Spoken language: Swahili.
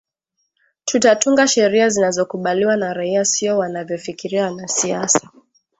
tutatunga sheria zinazokubaliwa na raia sio wanavyofikiria wanasiasa